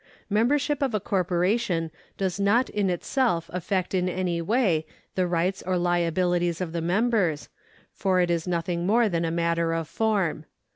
Membership of a corporation does not in itself affect in any way the rights or liabilities of the members, for it is nothing more than a matter of form.